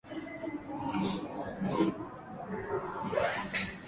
Uganda wanajua kuhusu vikundi vya waasi kuwa ndani ya jeshi la Jamhuri ya Kidemokrasia ya Kongo